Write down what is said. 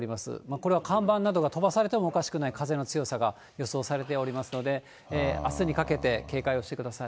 これは看板などが飛ばされてもおかしくない風の強さが予想されておりますので、あすにかけて警戒をしてください。